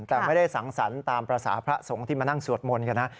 แต่ไม่ได้สังสรรค์ตามภาษาพระสงฆ์ที่มานั่งสวดมนต์กันนะ